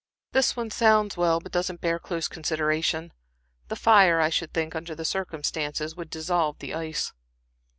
This one sounds well, but doesn't bear close consideration. The fire, I should think, under the circumstances, would dissolve the ice."